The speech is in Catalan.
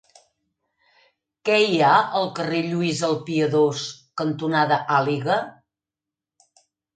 Què hi ha al carrer Lluís el Piadós cantonada Àliga?